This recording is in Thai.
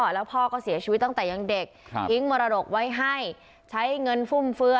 แล้วพ่อก็เสียชีวิตตั้งแต่ยังเด็กทิ้งมรดกไว้ให้ใช้เงินฟุ่มเฟื้อ